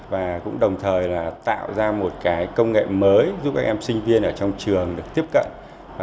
và cũng đồng thời là tạo ra một cái công nghệ mới giúp các em sinh viên ở trong trường được tiếp cận